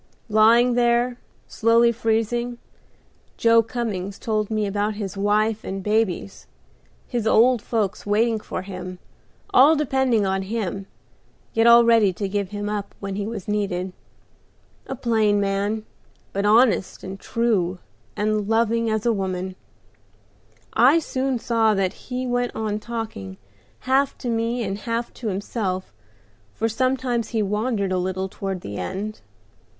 Lying there, slowly freezing, Joe Cummings told me about his wife and babies, his old folks waiting for him, all depending on him, yet all ready to give him up when he was needed. A plain man, but honest and true, and loving as a woman; I soon saw that as he went on talking, half to me and half to himself, for sometimes he wandered a little toward the end.